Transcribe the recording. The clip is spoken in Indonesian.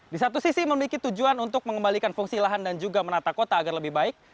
di satu sisi memiliki tujuan untuk mengembalikan fungsi lahan dan juga menata kota agar lebih baik